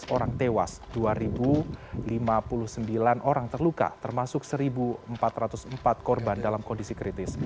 empat orang tewas dua lima puluh sembilan orang terluka termasuk satu empat ratus empat korban dalam kondisi kritis